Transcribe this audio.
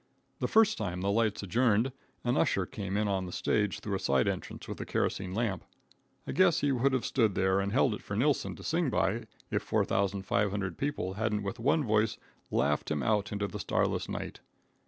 The first time the lights adjourned, an usher came in on the stage through a side entrance with a kerosene lamp. I guess he would have stood there and held it for Nilsson to sing by, if 4,500 people hadn't with one voice laughed him out into the starless night.